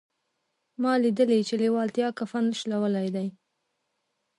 ما لیدلي چې لېوالتیا کفن شلولی دی